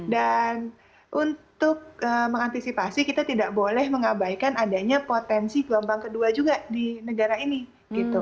dan untuk mengantisipasi kita tidak boleh mengabaikan adanya potensi gelombang kedua juga di negara ini gitu